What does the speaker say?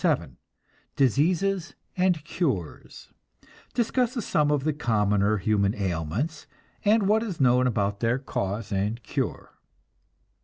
XXVII DISEASES AND CURES (Discusses some of the commoner human ailments, and what is known about their cause and cure.)